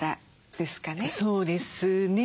そうですね。